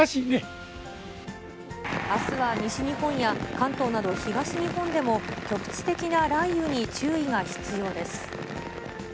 あすは西日本や、関東など東日本でも局地的な雷雨に注意が必要です。